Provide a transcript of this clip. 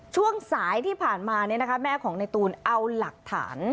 ช่วงสายที่ผ่านมาเนี่ยนะคะแม่ของนายตูนเอาหลักฐาน